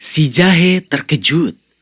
si jahe terkejut